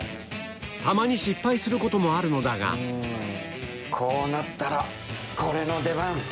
たまに失敗することもあるのだがこうなったらこれの出番！